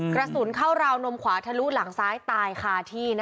กระสุนเข้าราวนมขวาทะลุหลังซ้ายตายคาที่